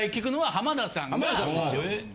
浜田さんですよ。